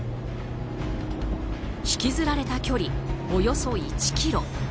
引きずられた距離およそ１ｋｍ。